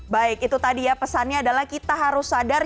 baik itu tadi ya pesannya adalah kita harus sadar